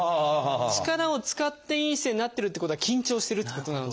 力を使っていい姿勢になってるってことは緊張してるっていうことなので。